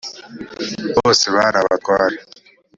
bose bari abatware